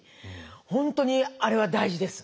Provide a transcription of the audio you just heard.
本当にあれは大事です。